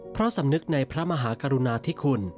เพราะสำนึกในพระมหากรุณาธิคุณ